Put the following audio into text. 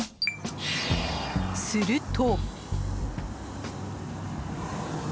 すると。